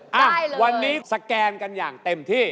อ่ะวันนี้สแกนกันอย่างเต็มที่